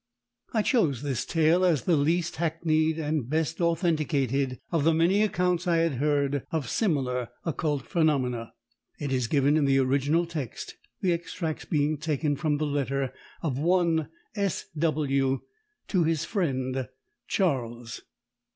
I chose this tale as the least hackneyed and best authenticated of the many accounts I had heard of similar occult phenomena. It is given in the original text, the extracts being taken from the letter of one "S. W." to his friend "Charles."